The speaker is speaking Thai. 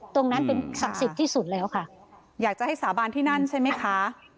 ตรงนั้นเป็นศักดิ์สิทธิ์ที่สุดแล้วค่ะอยากจะให้สาบานที่นั่นใช่ไหมคะ